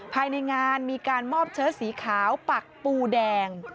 ภายในงานมีการมอบเชิดสีขาวปักปูแดง